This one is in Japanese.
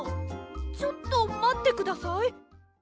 ちょっとまってください。